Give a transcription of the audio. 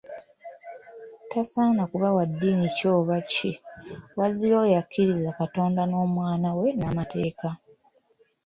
Tasaana kuba wa ddiini ki oba ki, wazira oyo akkiriza Katonda n'Omwana we n'amateeka.